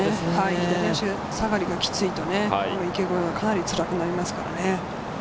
左足下がりがキツいと池越えは、かなりキツくなりますからね。